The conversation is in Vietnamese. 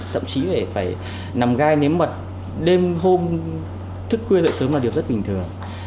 thậm chí phải nằm gai nếm mật đêm hôm thức khuya dậy sớm là điều rất bình thường